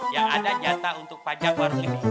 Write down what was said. yang ada jata untuk pajak baru ini